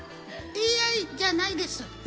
ＡＩじゃないです。